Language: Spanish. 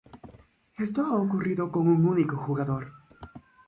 Esto ha ocurrido con un único jugador